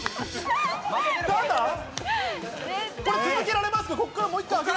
ここから続けられますか？